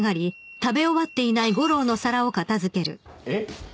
えっ？